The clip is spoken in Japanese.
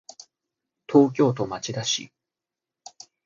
東京都町田市